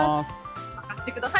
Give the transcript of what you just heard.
任せてください。